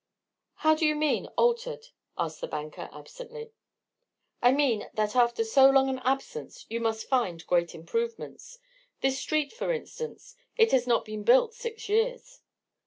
"How do you mean altered?" asked the banker, absently. "I mean, that after so long an absence you must find great improvements. This street for instance—it has not been built six years."